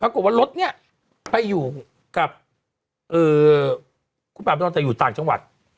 พรรคลุปวันรถเนี่ยไปกับคุณปราบประดนจะอยู่ต่างจังหวัด